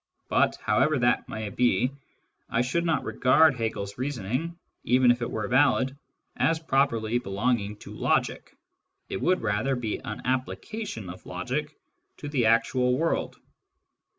But, however that may be, I should not regard Hegel's reasoning, even if it were valid, as properly belonging to logic : it would rather be an application of logic to the actual world.